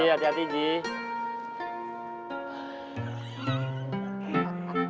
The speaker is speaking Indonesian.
assalamualaikum g hati hati g